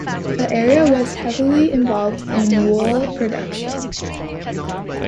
The area was heavily involved in wool production.